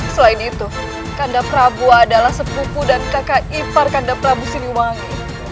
selain itu kandap prabu adalah sepupu dan kakak ipar kandap prabu siniwangi